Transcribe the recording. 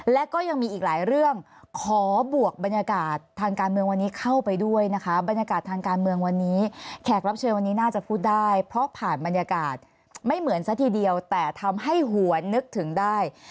และก็ยังมีอีกหลายเรื่องขอบวกบรรยากาศทางการเมืองวันนี้เข้าไปด้วยนะคะบรรยากาศทางการเมืองวันนี้แขกรับเชิญวันนี้น่าจะพูดได้เพราะผ่านบรรยากาศไม่เหมือนซะทีเดียวแต่ทำให้หัวนึกถึงได้